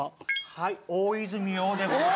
はい大泉洋でございます。